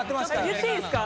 言っていいですか？